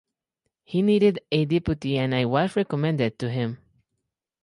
He needed a deputy and I was recommended to him.